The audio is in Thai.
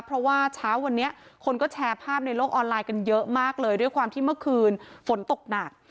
เพราะว่าเช้าวันนี้คนก็แชร์ภาพในโลกออนไลน์กันเยอะมากเลยด้วยความที่เมื่อคืนฝนตกหนัก